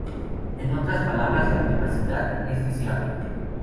En otras palabras, la privacidad es deseable.